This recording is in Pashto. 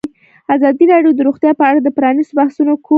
ازادي راډیو د روغتیا په اړه د پرانیستو بحثونو کوربه وه.